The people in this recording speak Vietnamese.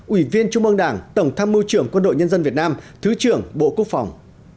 ủy viên trung mương đảng tổng tham mưu trưởng quân đội nhân dân việt nam thứ trưởng bộ quốc phòng